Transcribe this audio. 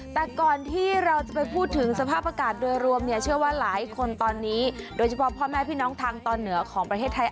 แต่ก่อนที่เราจะไปพูดถึงสภาพอากาศโดยรวมเนี่ยเชื่อว่าหลายคนตอนนี้โดยเฉพาะพ่อแม่พี่น้องทางตอนเหนือของประเทศไทย